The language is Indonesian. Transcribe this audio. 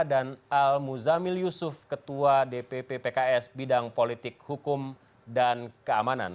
dan al muzamil yusuf ketua dpp pks bidang politik hukum dan keamanan